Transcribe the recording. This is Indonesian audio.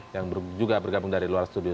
yang juga bergabung dari luar studio